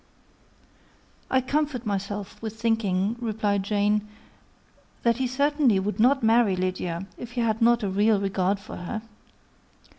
"I comfort myself with thinking," replied Jane, "that he certainly would not marry Lydia, if he had not a real regard for her.